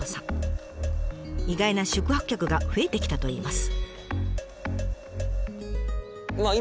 意外な宿泊客が増えてきたといいます。